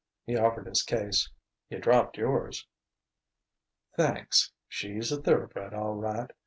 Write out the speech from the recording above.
He offered his case. "You dropped yours...." "Thanks.... She's a thoroughbred, all right.